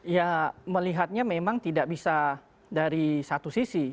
ya melihatnya memang tidak bisa dari satu sisi